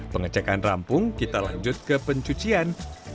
pengecekan rampung kita lanjut ke pencucian